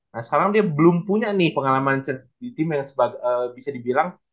nah sekarang dia belum punya nih pengalaman di tim yang bisa dibilang